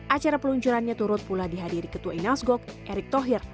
acara peluncurannya turut pula dihadiri ketua inas gok erick thohir